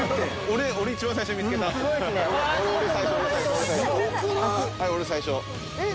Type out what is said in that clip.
俺最初！